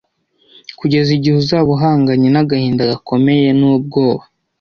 Kugeza igihe uzaba uhanganye n'agahinda gakomeye n'ubwoba,